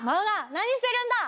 何してるんだ！